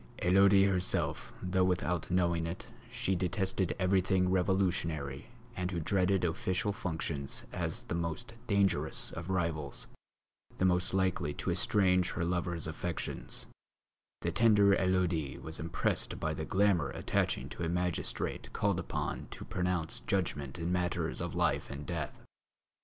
Élodie herself, though without knowing it she detested everything revolutionary and who dreaded official functions as the most dangerous of rivals, the most likely to estrange her lover's affections, the tender Élodie was impressed by the glamour attaching to a magistrate called upon to pronounce judgment in matters of life and death.